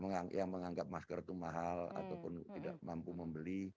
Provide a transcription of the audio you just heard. yang menganggap masker itu mahal ataupun tidak mampu membeli